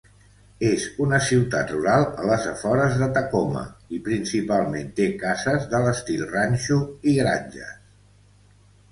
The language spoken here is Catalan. És una ciutat rural a les afores de Tacoma i principalment té cases de l'estil ranxo i granges.